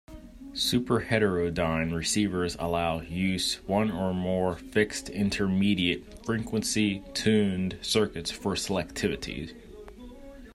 Superheterodyne receivers allow use one or more fixed intermediate frequency tuned circuits for selectivity.